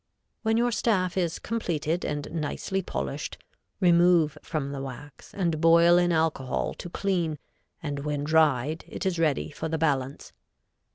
When your staff is completed and nicely polished, remove from the wax and boil in alcohol to clean, and when dried it is ready for the balance.